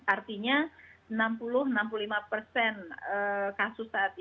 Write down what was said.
artinya enam puluh enam puluh lima persen kasus saat ini